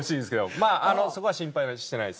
まあそこは心配してないです。